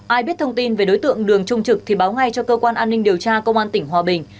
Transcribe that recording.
ai biết thông tin về đối tượng đường trung trực thì báo ngay cho cơ quan an ninh điều tra công an tỉnh hòa bình